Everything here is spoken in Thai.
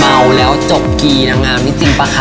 เมาแล้วจบกีนางงามนี่จริงป่ะคะ